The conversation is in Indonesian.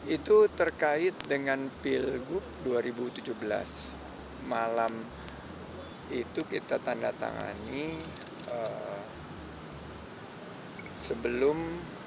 itu terkait dengan pilgub dua ribu tujuh belas malam itu kita tanda tangani sebelum